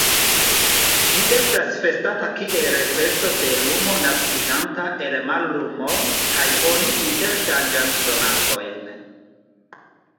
Ĝi estas festata kiel festo de lumo naskiĝanta el mallumo, kaj oni interŝanĝas donacojn.